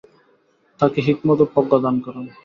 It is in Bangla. তাকে হিকমত ও প্রজ্ঞা দান করুন।